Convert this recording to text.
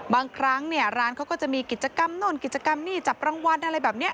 บางครั้งเนี่ยร้านเขาก็จะมีกิจกรรมโน่นกิจกรรมนี่จับรางวัลอะไรแบบนี้